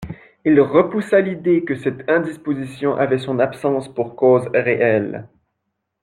Il repoussa l'idée que cette indisposition avait son absence pour cause réelle.